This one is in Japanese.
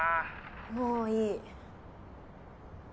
もういい。